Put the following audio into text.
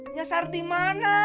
nyasar di mana